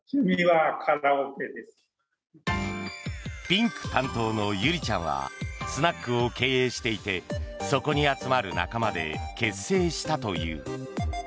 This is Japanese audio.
ピンク担当のゆりちゃんはスナックを経営していてそこに集まる仲間で結成したという。